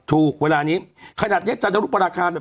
ถูกเวลานี้ขนาดนี้จันทร์ออกไปแล้ว